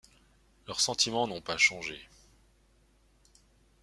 Leurs sentiments n'ont pas changé...